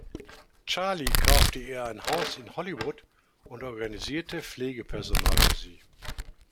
Charlie kaufte ihr ein Haus in Hollywood und organisierte Pflegepersonal für sie.